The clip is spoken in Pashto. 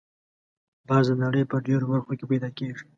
باز د نړۍ په ډېرو برخو کې پیدا کېږي